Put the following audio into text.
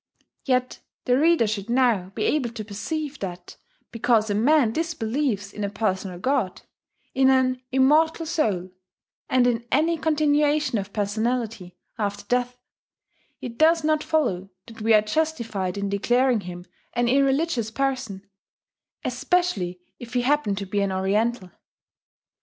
Yet the reader should now be able to perceive that, because a man disbelieves in a personal God, in an immortal soul, and in any continuation of personality after death, it does not follow that we are justified in declaring him an irreligious Person, especially if he happen to be an Oriental.